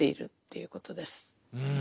うん。